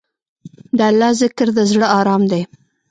د الله ذکر، د زړه ارام دی.